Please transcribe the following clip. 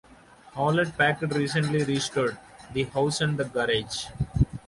Hewlett Packard recently restored the house and garage.